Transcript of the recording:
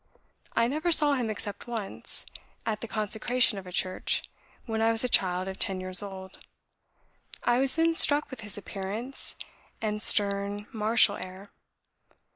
I never saw him except once at the consecration of a church when I was a child of ten years old. I was then struck with his appearance, and stern, martial air.